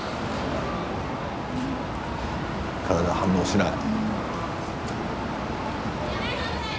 体は反応しない。